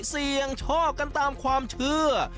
เสียงชอบกันตามความเทือ